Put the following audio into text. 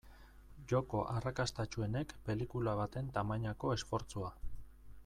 Joko arrakastatsuenek pelikula baten tamainako esfortzua.